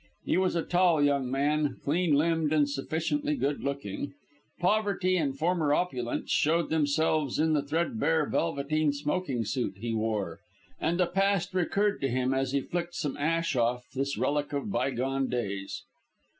He was a tall young man, clean limbed, and sufficiently good looking. Poverty and former opulence showed themselves in the threadbare velveteen smoking suit he wore; and the past recurred to him as he flicked some ash off this relic of bygone days.